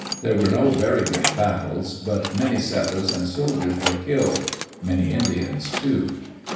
There were no very great battles, but many settlers and soldiers were killed; many Indians also.